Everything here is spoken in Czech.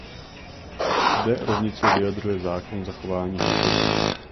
Zde rovnice vyjadřuje zákon zachování hmotnosti.